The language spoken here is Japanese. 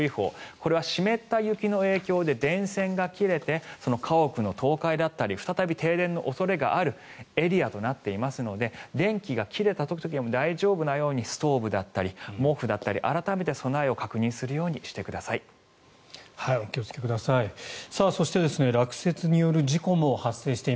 これは湿った雪の影響で電線が切れて家屋の倒壊だったり再び停電の恐れがあるエリアとなっていますので電気が切れた時にも大丈夫なようにストーブだったり毛布だったり改めて備えを確認するようにしてください。